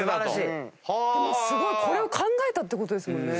すごい！これを考えたってことですもんね。